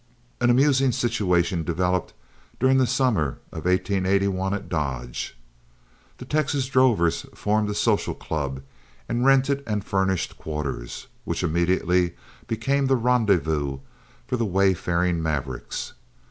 An amusing situation developed during the summer of 1881 at Dodge. The Texas drovers formed a social club and rented and furnished quarters, which immediately became the rendezvous of the wayfaring mavericks.